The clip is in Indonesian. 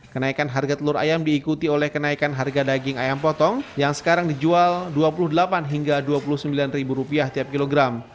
kenaikan harga telur ayam diikuti oleh kenaikan harga daging ayam potong yang sekarang dijual rp dua puluh delapan hingga rp dua puluh sembilan tiap kilogram